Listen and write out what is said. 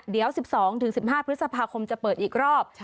เดี๋ยว๑๒๑๕พฤษภาคมจะเปิดอีกรอบ